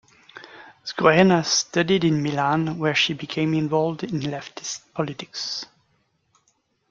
Sgrena studied in Milan where she became involved in leftist politics.